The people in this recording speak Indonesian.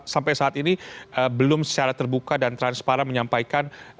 sampai saat ini belum secara terbuka dan transparan menyampaikan